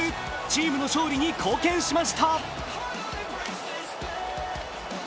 チームの勝利に貢献しました。